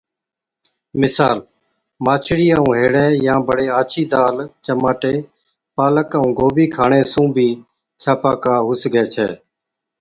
مثال، ماڇڙِي ائُون هيڙَي يان بڙي آڇِي دال، چماٽي، پالڪ ائُون گوبِي کاڻي سُون بِي ڇاپاڪا هُو سِگھَي ڇَي۔